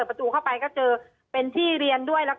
ตอนที่จะไปอยู่โรงเรียนนี้แปลว่าเรียนจบมไหนคะ